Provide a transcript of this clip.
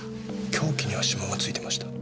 凶器には指紋が付いてました。